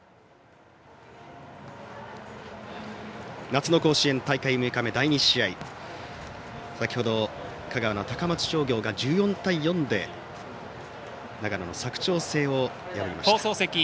夏の甲子園大会６日目、第２試合先程、香川の高松商業が１４対４で長野の佐久長聖を破りました。